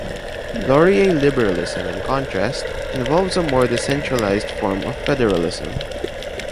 Laurier liberalism in contrast, involves a more decrentralized form of federalism.